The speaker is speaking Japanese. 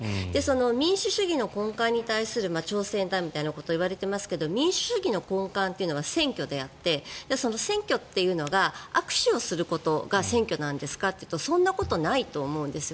民主主義の根幹に対する挑戦だみたいなことを言われていますけど民主主義の根幹というのは選挙であってその選挙っていうのが握手をすることが選挙なんですかというとそんなことないと思うんです。